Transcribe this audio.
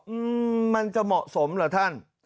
อืมมันจะเหมาะสมเหรอท่าน